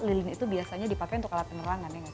lilin itu biasanya dipakai untuk alat penerangan ya